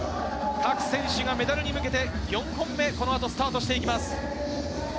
各選手がメダルに向けて４本目この後、スタートしていきます。